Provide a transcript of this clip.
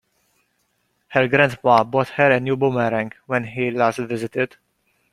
Her grandpa bought her a new boomerang when he last visited.